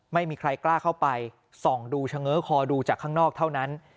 ไม่มีใครกล้าเข้าไปส่องดูเฉง้อคอดูจากข้างนอกเท่านั้น